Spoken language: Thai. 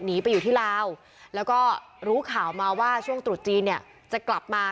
หนีไปอยู่ที่ลาวแล้วก็รู้ข่าวมาว่าช่วงตรุษจีนเนี่ยจะกลับมา